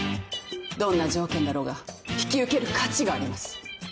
どんな条件だろうが引き受ける価値があります。